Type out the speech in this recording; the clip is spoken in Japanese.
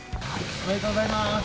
ありがとうございます。